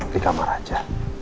di kamar aja